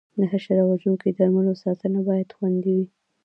د حشره وژونکو درملو ساتنه باید خوندي وي.